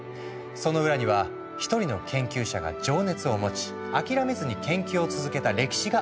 その裏には一人の研究者が情熱を持ち諦めずに研究を続けた歴史があった。